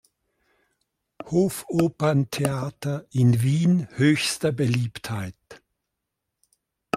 Hofoperntheater in Wien höchster Beliebtheit.